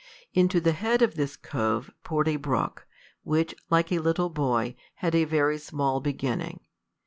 Into the head of this cove poured a brook, which, like a little boy, had a very small beginning.